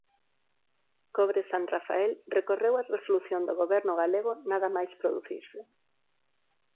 Cobre San Rafael recorreu a resolución do Goberno galego nada mais producirse.